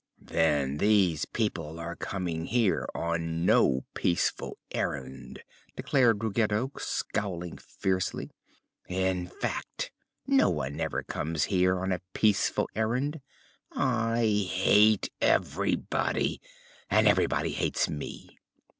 "Then these people are coming here on no peaceful errand," declared Ruggedo, scowling fiercely. "In fact, no one ever comes here on a peaceful errand. I hate everybody, and everybody hates me!"